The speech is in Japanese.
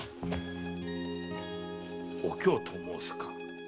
「お京」と申すか。